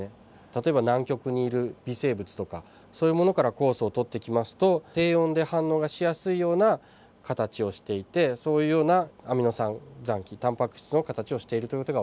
例えば南極にいる微生物とかそういうものから酵素を取ってきますと低温で反応がしやすいような形をしていてそういうようなアミノ酸残基タンパク質の形をしているという事がわかります。